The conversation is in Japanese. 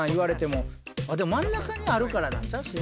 まあでも真ん中にあるからなんちゃう？